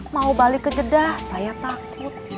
mau balik ke jeddah saya takut